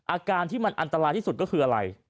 อาการที่มันอันตรายที่สุดก็คืออะไร